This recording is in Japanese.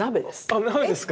あ鍋ですか。